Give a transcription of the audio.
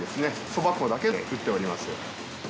そば粉だけで作っております。